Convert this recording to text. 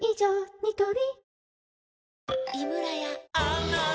ニトリ